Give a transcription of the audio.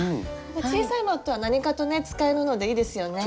小さいマットは何かとね使えるのでいいですよね。